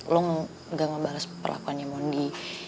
lo gak mau bales perlakuan mondi